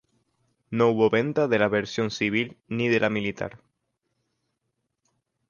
No hubo venta de la versión civil ni de la militar.